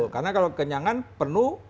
karena kalau kenyangan penuh